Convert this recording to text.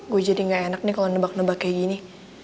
gue jadi gak enak nih kalau nebak nebak kayak gini